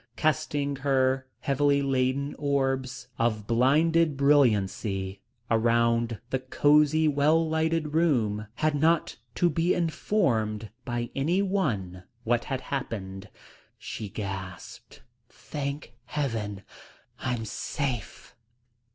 Casting her heavily laden orbs of blinded brilliancy around the cosy well lighted room, had not to be informed by any one what had happened; she gasped, "Thank Heaven, I'm safe!"